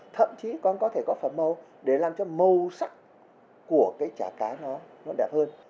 thậm chí con có thể có phần màu để làm cho màu sắc của trả cá nó đẹp hơn